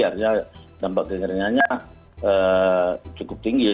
artinya dampak kekeringannya cukup tinggi